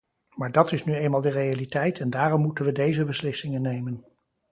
Maar dat is nu eenmaal de realiteit en daarom moeten we deze beslissingen nemen.